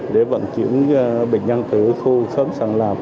để vận chuyển bệnh nhân từ khu khớp sàn lạp